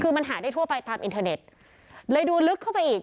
คือมันหาได้ทั่วไปตามอินเทอร์เน็ตเลยดูลึกเข้าไปอีก